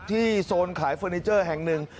โซนขายเฟอร์นิเจอร์แห่งหนึ่ง